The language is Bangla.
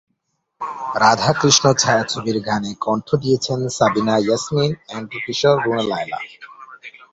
রাধা কৃষ্ণ ছায়াছবির গানে কণ্ঠ দিয়েছেন সাবিনা ইয়াসমিন, এন্ড্রু কিশোর, রুনা লায়লা।